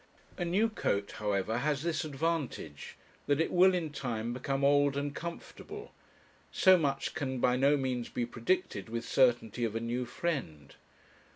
A new coat, however, has this advantage, that it will in time become old and comfortable; so much can by no means be predicted with certainty of a new friend.